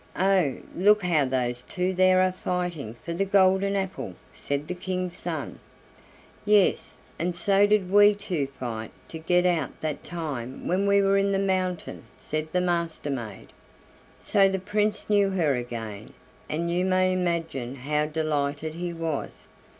"Oh! look how those two there are fighting for the golden apple," said the King's son. "Yes, and so did we two fight to get out that time when we were in the mountain," said the Master maid. So the Prince knew her again, and you may imagine how delighted he was.